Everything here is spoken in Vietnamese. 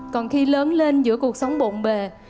còn khi lớn lên giữa cuộc sống bộn bề